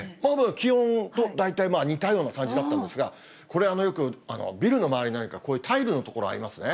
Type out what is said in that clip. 気温と大体似たような感じだったんですが、これ、よくビルの周りなんか、タイルの所ありますよね。